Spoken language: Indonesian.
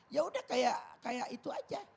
ya udah kayak itu aja